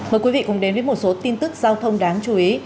mời quý vị cùng đến với một số tin tức giao thông đáng chú ý